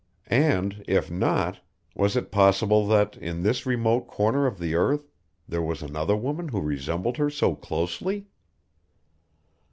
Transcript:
And, if not, was it possible that in this remote corner of the earth there was another woman who resembled her so closely?